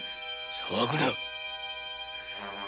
騒ぐな！